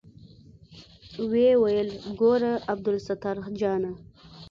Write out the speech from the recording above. ويې ويل ګوره عبدالستار جانه.